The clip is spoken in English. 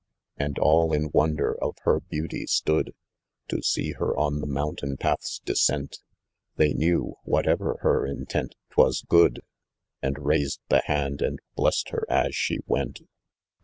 And all in wonder of her beauty stood, * To see nil on the mountain paih's descent, They knew, whatever her intent, 'twas good, And raised the band and blessed ^â€ž ^^ e KC nt.